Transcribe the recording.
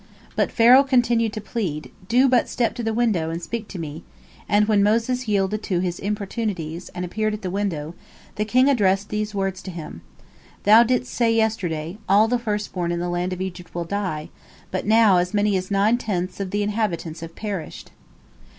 " —But Pharaoh continued to plead: "Do but step to the window, and speak with me," and when Moses yielded to his importunities, and appeared at the window, the king addressed these words to him: "Thou didst say yesterday, 'All the first born in the land of Egypt will die,' but now as many as nine tenths of the inhabitants have perished."